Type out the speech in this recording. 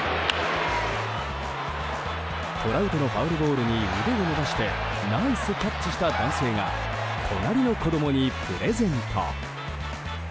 トラウトのファウルボールに腕を伸ばしてナイスキャッチした男性が隣の子供にプレゼント。